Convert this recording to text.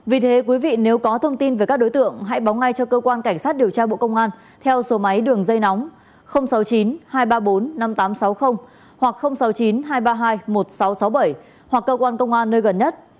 vì thế quý vị nếu có thông tin về các đối tượng hãy báo ngay cho cơ quan cảnh sát điều tra bộ công an theo số máy đường dây nóng sáu mươi chín hai trăm ba mươi bốn năm nghìn tám trăm sáu mươi hoặc sáu mươi chín hai trăm ba mươi hai một nghìn sáu trăm sáu mươi bảy hoặc cơ quan công an nơi gần nhất